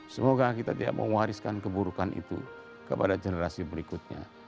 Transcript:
semoga kita tidak mewariskan keburukan itu kepada generasi berikutnya